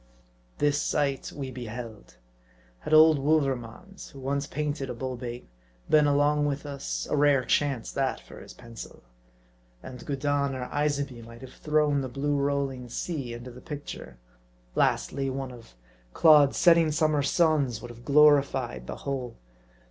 This sight we beheld. Had old Wouvermans, who once painted a bull bait, been along witlr us, a rare chance, that, for his pencil. And Gudin or Isabey might have thrown the blue rolling sea into the picture. Lastly, one of Claude's setting summer suns would have glorified the whole.